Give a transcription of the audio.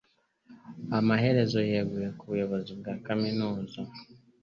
Amaherezo yeguye ku buyobozi bwa kaminuza.